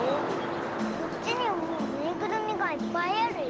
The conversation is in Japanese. こっちにはぬいぐるみがいっぱいあるよ。